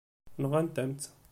Nɣant-am-tt.